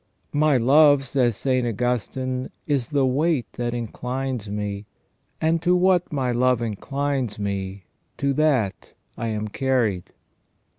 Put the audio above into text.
" My love," says St. Augustine, " is the weight that inclines me, and to what my love inclines me to that I am carried."